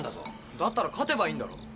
だったら勝てばいいんだろう。